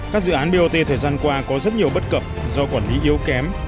các dự án bot thời gian qua có rất nhiều bất cập do quản lý yếu kém